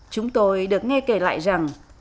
chúng tôi được nghe kể lại rằng